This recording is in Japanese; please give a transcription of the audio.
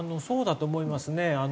そうだと思いますね。